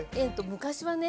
昔はね